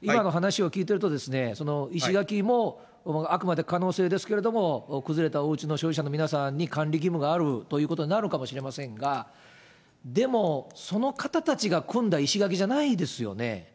今の話を聞いてると、石垣もあくまで可能性ですけれども、崩れたおうちの所有者の皆さんに管理義務があるということになるかもしれませんが、でもその方たちが組んだ石垣じゃないですよね。